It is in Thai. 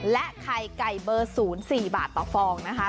และไข่ไก่เบอร์๐๔บาทต่อฟองนะคะ